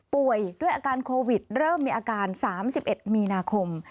ป่วยด้วยอาการโควิดเริ่มมีอาการ๓๑มีนาคม